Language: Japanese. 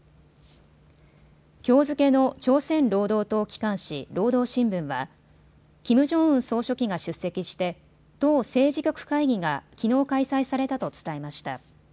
きょう付けの朝鮮労働党機関紙労働新聞はキム・ジョンウン総書記が出席して党政治局会議がきのう開催されたと伝えました。